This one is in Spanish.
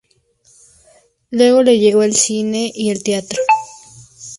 Luego le llegó el cine y el teatro.